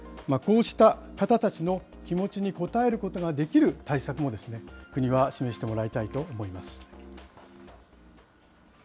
こうした方たちの気持ちに応えることができる対策も、国は示してもらいたいと思います。